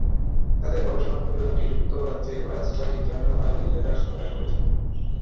তাঁদের গবেষণা প্রতিবেদনটি যুক্তরাজ্যের রয়্যাল সোসাইটির জার্নাল বায়োলজি লেটার্স প্রকাশ করেছে।